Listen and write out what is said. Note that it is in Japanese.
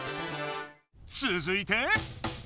つづいて？